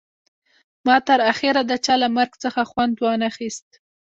ما تر اخره د چا له مرګ څخه خوند ونه خیست